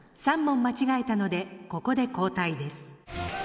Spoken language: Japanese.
３問間違えたのでここで交代です。